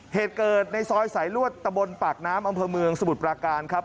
เหตุเกิดในซอยสายลวดตะบนปากน้ำอำเภอเมืองสมุทรปราการครับ